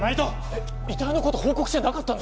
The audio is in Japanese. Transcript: えっ遺体のこと報告してなかったんですか